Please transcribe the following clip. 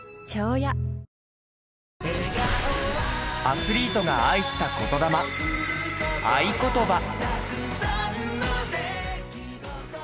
アスリートが愛した言魂『愛ことば』。